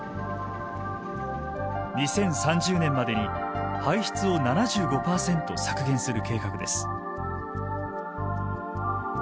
２０３０年までに排出を７５％削減する計画です。